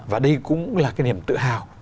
và đây cũng là cái niềm tự hào